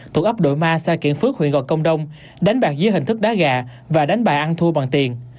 gặp đội ma xa kiện phước huyện gò công đông đánh bạc dưới hình thức đá gà và đánh bạc ăn thua bằng tiền